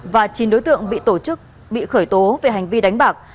và chín đối tượng bị khởi tố về hành vi đánh bạc